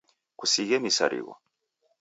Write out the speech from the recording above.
Kusighe misarigho.